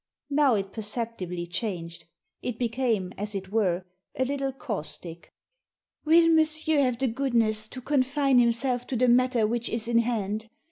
Now it perceptibly changed. It became, as it were, a little caustic ." Will monsieur have the goodness to confine him self to the matter which is in hand